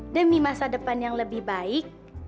demi masa depan yang lebih baik